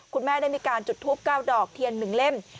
คุณแม่ได้มีการจุดทูป๙ดอกเทียน๑เล่ม